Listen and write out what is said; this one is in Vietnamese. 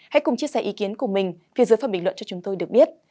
hãy cùng chia sẻ ý kiến của mình phía dưới phần bình luận cho chúng tôi được biết